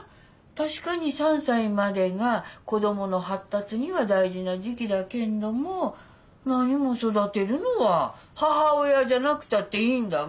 確かに３歳までが子供の発達には大事な時期だけんどもなにも育てるのは母親じゃなくたっていいんだべ。